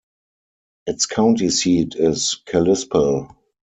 Its county seat is Kalispell.